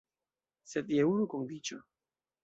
Sed je unu kondiĉo.